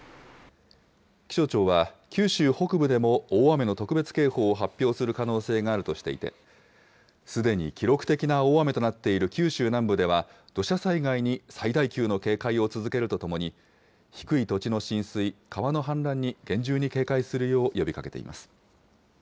気象庁は九州北部でも大雨の特別警報を発表する可能性があるとしていて、すでに記録的な大雨となっている九州南部では、土砂災害に最大級の警戒を続けるとともに、低い土地の浸水、川の氾濫に厳重に警戒するよう呼びかけています。